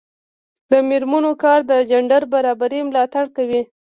د میرمنو کار د جنډر برابري ملاتړ کوي.